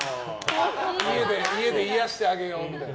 家で癒やしてあげようみたいな。